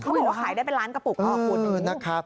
เขาบอกว่าขายได้เป็นร้านกระปุก